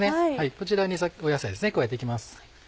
こちらに野菜ですね加えていきます。